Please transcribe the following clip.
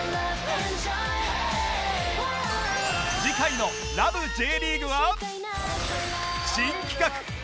次回の『ラブ ！！Ｊ リーグ』は